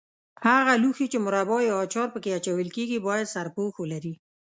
هغه لوښي چې مربا یا اچار په کې اچول کېږي باید سرپوښ ولري.